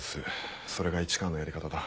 それが市川のやり方だ。